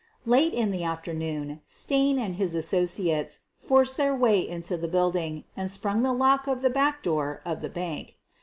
Late in the afternoon Stain and his associates forced their way into the building and sprung the lock of the back door of the bank.